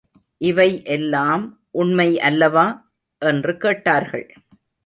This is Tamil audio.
இவை எல்லாம் உண்மை அல்லவா? என்று கேட்டார்கள்.